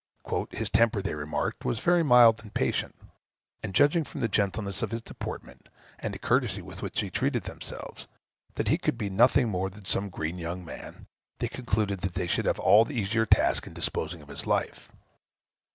"His temper, they remarked, was very mild and patient; and, judging from the gentleness of his deportment, and the courtesy with which he treated themselves, that he could be nothing more than some green young man, they concluded that they should have all the easier task in disposing of his life.